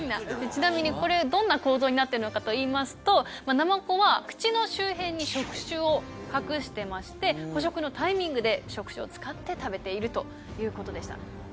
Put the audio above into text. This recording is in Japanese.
ちなみにこれどんな構造になっているのかといいますとナマコは口の周辺に触手を隠してまして捕食のタイミングで触手を使って食べているということでした。